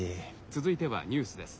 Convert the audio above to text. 「続いてはニュースです。